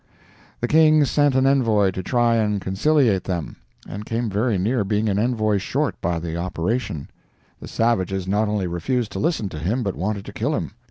The King sent an envoy to try and conciliate them, and came very near being an envoy short by the operation; the savages not only refused to listen to him, but wanted to kill him.